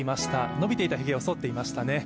伸びていたひげをそっていましたね。